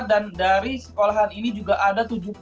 dan dari sekolahan ini juga ada tujuh puluh orang